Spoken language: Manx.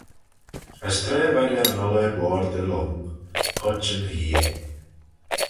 As tra v'ad er n'gholl er-board y lhong, huitt yn gheay.